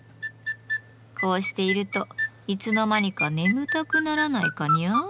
こうしているといつの間にか眠たくならないかニャー？